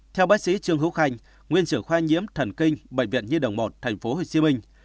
theo bác sĩ trương hữu khanh nguyên trưởng khoa nhiễm thần kinh bệnh viện nhi đồng một thành phố hồ chí minh